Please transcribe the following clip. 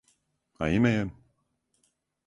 А име је?